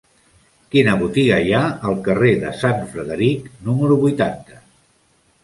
Quina botiga hi ha al carrer de Sant Frederic número vuitanta?